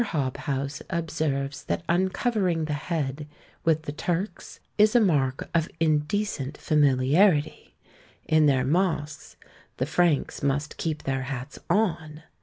Hobhouse observes that uncovering the head, with the Turks, is a mark of indecent familiarity; in their mosques the Franks must keep their hats on.